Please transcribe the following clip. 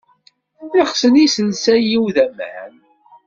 Lexsen yiselsa-iw d aman.